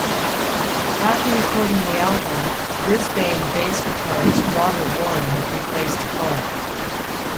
After recording the album, Brisbane bass guitarist Robert Warren replaced Clark.